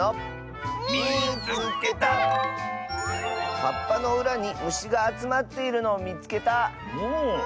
はっぱのうらにむしがあつまっているのをみつけた！